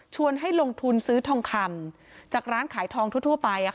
ให้ลงทุนซื้อทองคำจากร้านขายทองทั่วไป